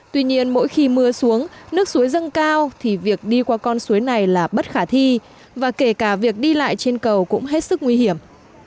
tuy nhiên mỗi khi mưa xuống nước suối dâng cao thì việc đi qua con suối này là bất khả thi và kể cả việc đi lại trên cầu cũng hết sức nguy hiểm